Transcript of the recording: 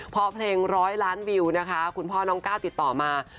พอเพลงร้อยล้านวิวนะคะคุณพ่อน้องก้าวติดต่อมา